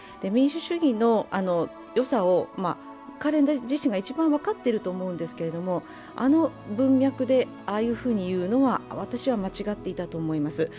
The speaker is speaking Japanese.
民主主義のよさを彼自身が一番分かっていると思うんですけれども、あの文脈でああいうふうに言うのは私は間違っていたと思います。